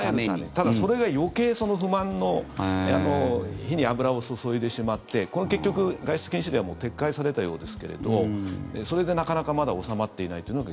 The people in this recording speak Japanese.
ただ、それが余計、不満の火に油を注いでしまって結局、外出禁止令は撤回されたようですけれどそれでなかなかまだ収まっていないというのが